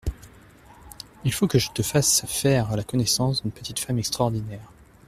Il faut que je te fasse faire la connaissance d'une petite femme extraordinaire.